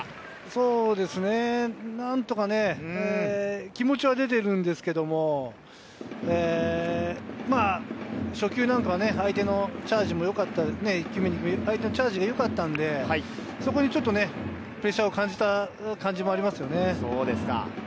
そうですね。何とかね、気持ちは出ているんですけれども、まあ、初球なんかは相手のチャージもよかったんで、そこにちょっとプレッシャーを感じたというのもありますよね。